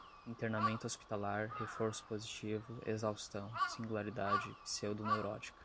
internamento hospitalar, reforço positivo, exaustão, singularidade, pseudoneurótica